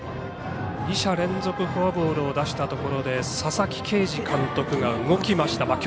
２者連続フォアボールを出したところで佐々木啓司監督が動きました。